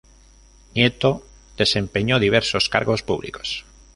Nieto desempeñó diversos cargos públicos.